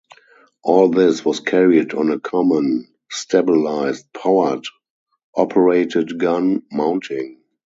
All this was carried on a common, stabilised, powered-operated gun mounting.